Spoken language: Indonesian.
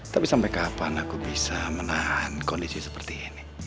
tapi sampai kapan aku bisa menahan kondisi seperti ini